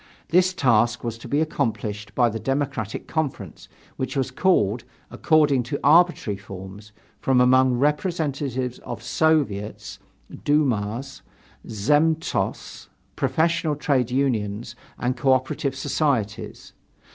This task was to be accomplished by the Democratic Conference, which was called, according to arbitrary forms, from among representatives of Soviets, dumas, zemstvos, professional trade unions and co operative societies.